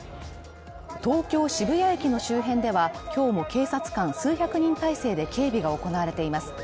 東京・渋谷駅の周辺では今日も警察官数百人態勢で警備が行われています。